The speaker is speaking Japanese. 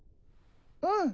うん。